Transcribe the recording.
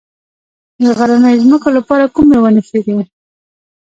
د غرنیو ځمکو لپاره کومې ونې ښې دي؟